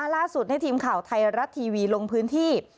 ล่าสุดทีมข่าวไทยรัฐทีวีลงพื้นที่